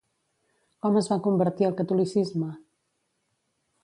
Com va es va convertir al catolicisme?